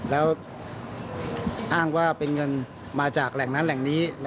แล้วอ้างว่าเป็นเงินมาจากแหล่งนั้นแหล่งนี้